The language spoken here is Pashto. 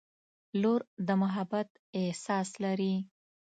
• لور د محبت احساس لري.